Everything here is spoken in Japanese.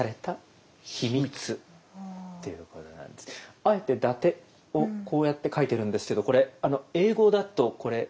あえて「伊達」をこうやって書いてるんですけどこれ英語だとこれ。